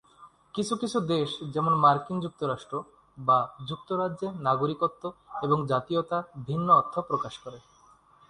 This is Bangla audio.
কিছু কিছু দেশ, যেমন, মার্কিন যুক্তরাষ্ট্র বা যুক্তরাজ্যে নাগরিকত্ব এবং জাতীয়তা ভিন্ন অর্থ প্রকাশ করে।